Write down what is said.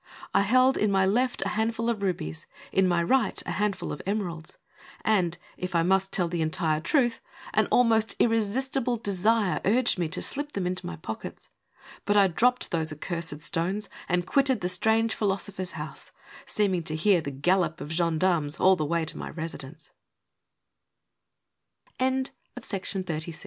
I held in my left a handful of rubies, in my right a handful of emeralds, and, if I must tell the entire truth, an almost irresistible desire urged me to slip them into my pockets. But I dropped those accursed stones and quitted the strange philosopher's house, seeming to hear the gallop of gen darmes all the